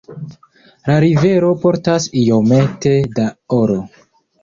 La rivero portas iomete da oro.